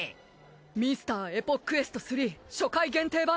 『ミスターエポックエスト３』初回限定版。